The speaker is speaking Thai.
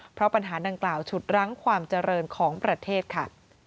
เพราะปัญหาดังกล่าวฉุดรั้งความเจริญของประเทศค่ะ